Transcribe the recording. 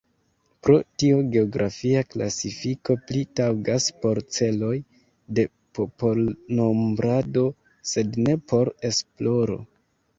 Pro tio geografia klasifiko pli taŭgas por celoj de popolnombrado, sed ne por esploro.